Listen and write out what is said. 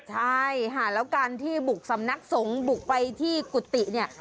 ใช่ค่ะแล้วการที่บุกสำนักสงฆ์บุกไปที่กุฏิเนี่ย